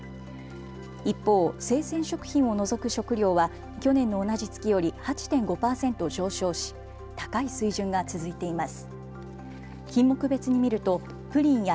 一方、生鮮食品を除く食料は去年の同じ月より８．５％上昇し高い水準が続いています。